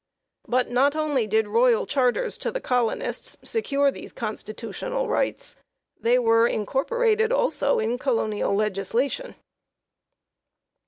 But, not only did royal charters to the colonists secure these constitutional rights, they were incor porated also in colonial legislation.